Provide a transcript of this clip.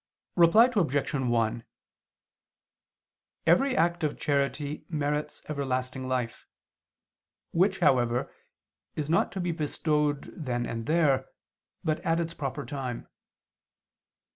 Reply Obj. 1: Every act of charity merits everlasting life, which, however, is not to be bestowed then and there, but at its proper time.